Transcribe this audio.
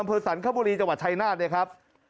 อำเภอสรรคบุรีจังหวัดชัยนาธิ์นะครับ